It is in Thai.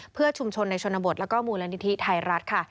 เพื่อชุมชนในชนบทแล้วก็มูลนิธิไทยรัฐค่ะ